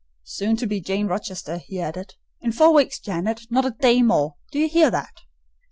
"Soon to be Jane Rochester," he added: "in four weeks, Janet; not a day more. Do you hear that?"